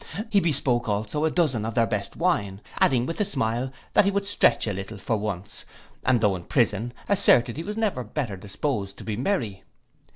He bespoke also a dozen of their best wine; and some cordials for me. Adding, with a smile, that he would stretch a little for once, and tho' in a prison, asserted he was never better disposed to be merry.